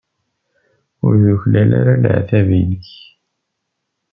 Ur tuklal ara leɛtab-nnek.